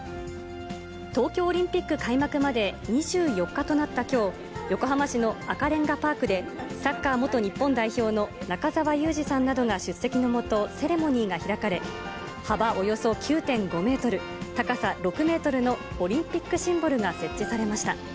東京オリンピック開幕まで２４日となったきょう、横浜市の赤レンガパークで、サッカー元日本代表の中澤佑二さんなどが出席のもと、セレモニーが開かれ、幅およそ９．５メートル、高さ６メートルのオリンピックシンボルが設置されました。